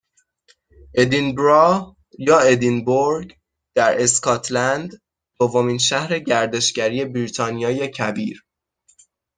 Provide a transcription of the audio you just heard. ادینبرا یا ادینبورگ در اسکاتلند دومین شهر گردشگری بریتانیای کبیر